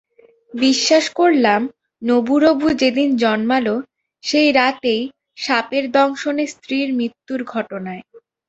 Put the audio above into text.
বিশ্বাস করলাম নবু-রবু যেদিন জন্মাল সেই রাতেই সাপের দংশনে স্ত্রীর মৃত্যুর ঘটনায়।